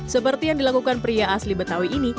seperti yang dilakukan pria asli betawi ini